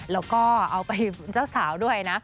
แล้วก็เอาไปเจ้าสาวด้วยนะ